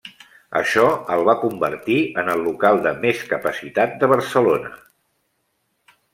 Això el va convertir en el local de més capacitat de Barcelona.